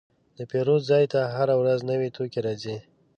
د پیرود ځای ته هره ورځ نوي توکي راځي.